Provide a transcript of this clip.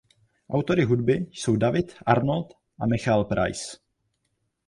Autory hudby jsou David Arnold a Michael Price.